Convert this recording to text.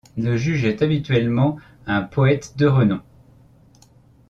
Le juge est habituellement un poète de renom.